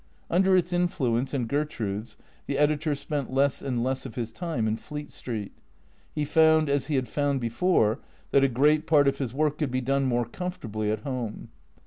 Under its influence and Gertrude's the editor spent less and less of his time in Fleet Street. He found, as he had found before, that a great part of his work could be done more com fortably at home.